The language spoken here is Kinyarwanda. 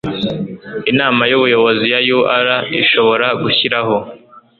Inama y Ubuyobozi ya UR ishobora gushyiraho